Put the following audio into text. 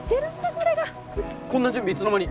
これがこんな準備いつの間に？